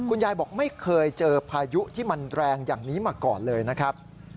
ยายบอกไม่เคยเจอพายุที่มันแรงอย่างนี้มาก่อนเลยนะครับ